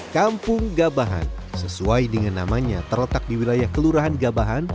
kampung gabahan sesuai dengan namanya terletak di wilayah kelurahan gabahan